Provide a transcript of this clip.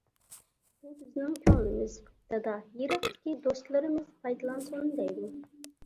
«بۇ بىزنىڭ كۆڭلىمىز دادا، يىراقتىكى دوستلىرىمىز پايدىلانسۇن» دەيدۇ.